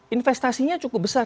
investasinya cukup besar